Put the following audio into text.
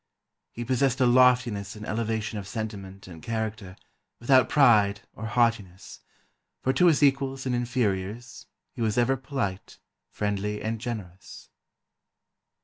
He possessed a loftiness and elevation of sentiment and character, without pride or haughtiness, for to his equals and inferiors he was ever polite, friendly and generous."